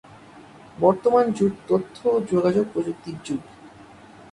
বর্তমান যুগ তথ্য ও যোগাযোগ প্রযুক্তির যুগ।